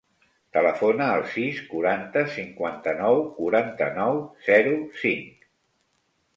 Telefona al sis, quaranta, cinquanta-nou, quaranta-nou, zero, cinc.